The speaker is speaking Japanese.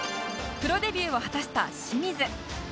プロデビューを果たした清水